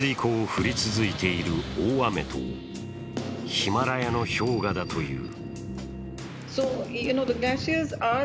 原因は６月以降降り続いている大雨とヒマラヤの氷河だという。